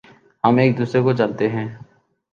ہم ایک دوسرے کو جانتے ہیں